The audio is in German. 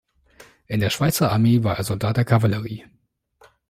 In der Schweizer Armee war er Soldat der Kavallerie.